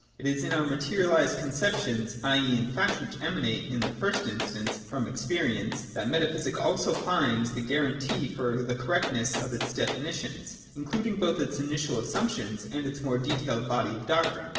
It is in our materialised conceptions^ i. e. in facts which emanate, in the first instance, from experience, that metaphysic also finds the guarantee for the correctness of its defini tions (including both its initial assumptions and its more detailed body of doctrine).